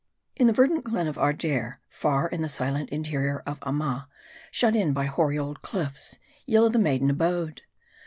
IN the verdant glen of Ardair, far in the silent interior of Amma, shut in by hoar old cliffs, Yillah the maiden abode.